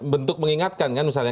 bentuk mengingatkan kan misalnya